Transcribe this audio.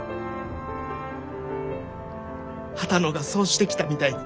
波多野がそうしてきたみたいに。